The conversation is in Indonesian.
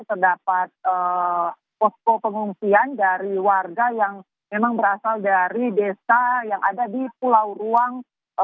terdapat posko pengungsian dari warga yang memang berasal dari desa yang ada di pulau ruang